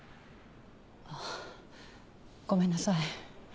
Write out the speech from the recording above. あっごめんなさい。